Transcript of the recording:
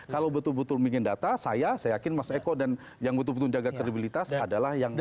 kalau betul betul bikin data saya saya yakin mas eko dan yang betul betul jaga kredibilitas adalah yang